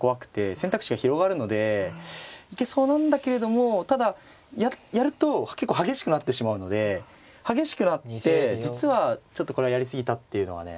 選択肢が広がるので行けそうなんだけれどもただやると結構激しくなってしまうので激しくなって実はちょっとこれはやり過ぎたっていうのがね